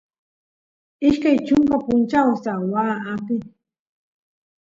ashkay chunka punchawsta waa apin